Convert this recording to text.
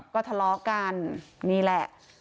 ก็ทะเลาะกันนี่แหละ